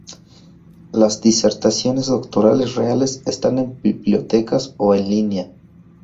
Las disertaciones doctorales reales están en bibliotecas o en línea.